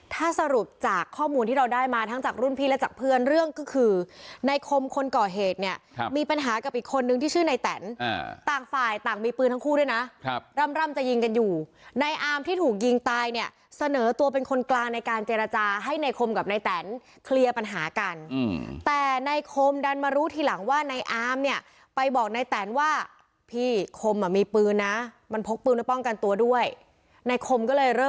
ถ้าสรุปจากข้อมูลที่เราได้มาทั้งจากรุ่นพี่และจากเพื่อนเรื่องก็คือในคมคนก่อเหตุเนี่ยมีปัญหากับอีกคนนึงที่ชื่อในแตนต่างฝ่ายต่างมีปืนทั้งคู่ด้วยนะร่ำจะยิงกันอยู่ในอามที่ถูกยิงตายเนี่ยเสนอตัวเป็นคนกลางในการเจรจาให้ในคมกับในแตนเคลียร์ปัญหากันแต่ในคมดันมารู้ทีหลังว่าในอามเนี่ยไปบ